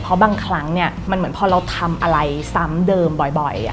เพราะบางครั้งเนี่ยมันเหมือนพอเราทำอะไรซ้ำเดิมบ่อย